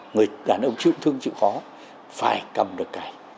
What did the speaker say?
người đàn ông chịu thương chịu khó phải cầm được cải